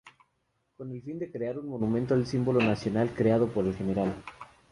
Con el fin de crear un monumento al símbolo nacional creado por el Gral.